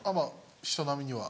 人並みには。